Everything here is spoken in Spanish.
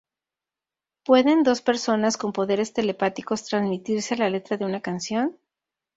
¿pueden dos personas con poderes telepáticos transmitirse la letra de una canción?